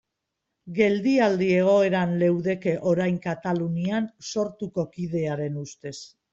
Geldialdi egoeran leudeke orain Katalunian Sortuko kidearen ustez.